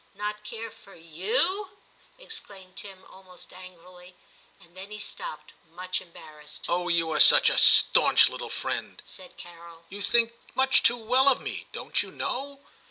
* Not care for you !' exclaimed Tim almost angrily, and then he stopped, much em barrassed. * Oh, you are such a staunch little friend !' said Carol ;* you think much too well of me, don't you know.'